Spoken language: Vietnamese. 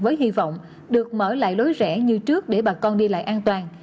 với hy vọng được mở lại lối rẻ như trước để bà con đi lại an toàn